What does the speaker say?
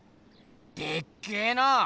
でっけえな！